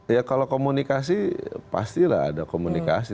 ya kalau komunikasi pastilah ada komunikasi